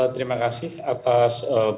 terima kasih atas peristiwa